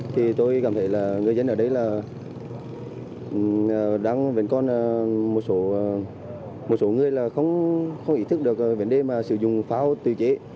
thì tôi cảm thấy là người dân ở đây là vẫn còn một số người là không ý thức được vấn đề mà sử dụng pháo tự chế